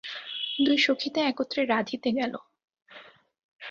দুই সখীতে একত্রে রাঁধিতে গেল।